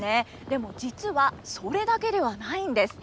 でも実はそれだけではないんです。